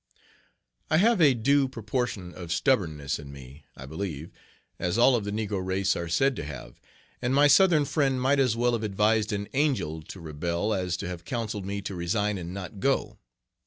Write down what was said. I have a due proportion of stubbornness in me, I believe, as all of the negro race are said to have, and my Southern friend might as well have advised an angel to rebel as to have counselled me to resign and not go.